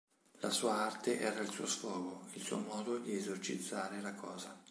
La sua arte era il suo sfogo, il suo modo di esorcizzare la cosa.